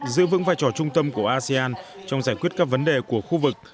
giữ vững vai trò trung tâm của asean trong giải quyết các vấn đề của khu vực